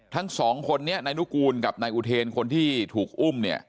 ทั้งสองคนนี้นายนุกูลกับนายอุเทนคนที่ถูกอุ้มเนี่ย